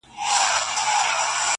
د ساحل روڼو اوبو کي-